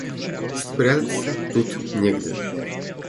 Спрятаться тут негде.